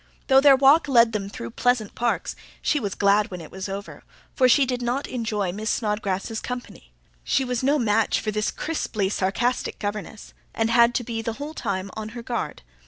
Though their walk led them through pleasant parks, she was glad when it was over; for she did not enjoy Miss Snodgrass's company. She was no match for this crisply sarcastic governess, and had to be the whole time on her guard.